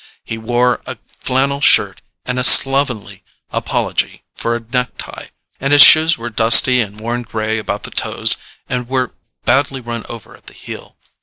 He wore a flannel shirt and a slovenly apology for a necktie, and his shoes were dusty and worn gray about the toes and were badly run over at the heel.